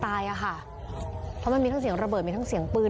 พวกมันกลับมาเมื่อเวลาที่สุดพวกมันกลับมาเมื่อเวลาที่สุด